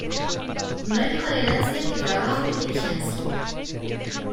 No hay mejor herencia que trabajo y diligencia.